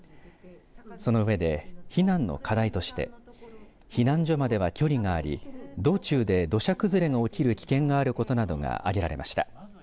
そのうえで避難の課題として避難所までは距離があり道中で土砂崩れが起きる危険があることなどが挙げられました。